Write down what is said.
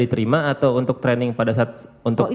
diterima atau untuk training pada saat untuk